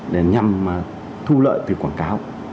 để nhằm thu lợi từ quảng cáo